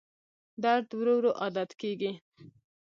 درد ورو ورو عادت کېږي.